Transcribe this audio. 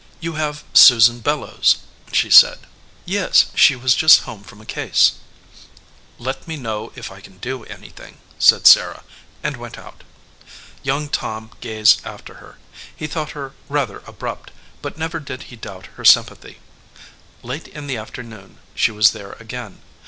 "You have Susan Bellows," she said. "Yes, she was just home from a case." "Let me know if I can do anything," said Sarah, and went out. 19 EDGEWATER PEOPLE Young Tom gazed after her. He thought her rather abrupt, but never did he doubt her sym pathy. Late in the afternoon she was there again.